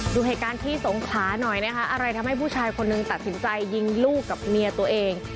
ดูเหตุการณ์ที่สงขลาหน่อยนะคะอะไรทำให้ผู้ชายคนหนึ่งตัดสินใจยิงลูกกับเมียตัวเอง